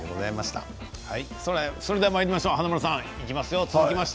それではまいりましょう華丸さんいきますよ。